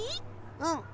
うん！